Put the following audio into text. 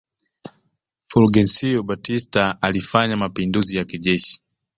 Fulgencio Batista alifanya mapinduzi ya kijeshi